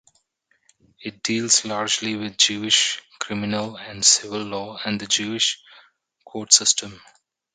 It deals largely with Jewish criminal and civil law and the Jewish court system.